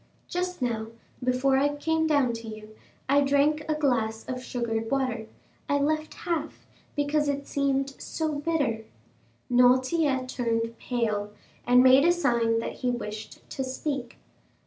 Just now, before I came down to you, I drank a glass of sugared water; I left half, because it seemed so bitter." Noirtier turned pale, and made a sign that he wished to speak.